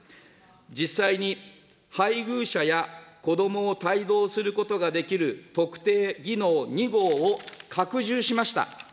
実際に配偶者や子どもを帯同することができる、特定技能２号を拡充しました。